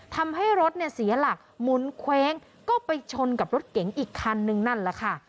ทำให้รถเนี่ยเสียหลักหมุนเคว้งก็ไปชนกับรถเก๋งอีกคันนึงนั่นแหละค่ะ